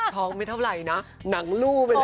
ท้องไม่เท่าไหร่นะหนังลู่ไปเลย